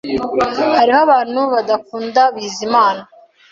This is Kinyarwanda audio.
Hariho abantu badakunda Bizimana